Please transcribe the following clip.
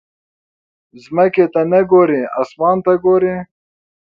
ځمکې ته نه ګورې، اسمان ته ګورې.